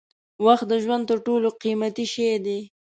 وخت د ژوند تر ټولو قیمتي شی دی.